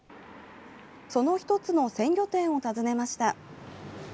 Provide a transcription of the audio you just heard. その１つの鮮魚店を訪ねました。